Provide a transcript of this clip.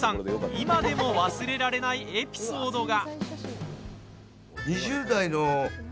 今でも忘れられないエピソードが。